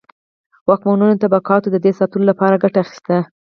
واکمنو طبقاتو د دې د ساتلو لپاره ګټه اخیسته.